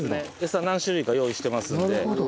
餌何種類か用意してますので。